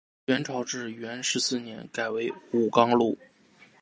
元朝至元十四年改为武冈路。